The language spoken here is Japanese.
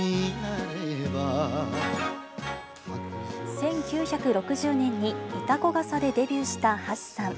１９６０年に潮来笠でデビューした橋さん。